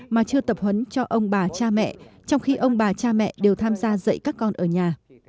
mà chưa tập huấn cho ông bà cha mẹ trong khi ông bà cha mẹ đều tham gia dạy các con ở nhà